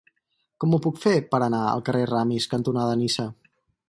Com ho puc fer per anar al carrer Ramis cantonada Niça?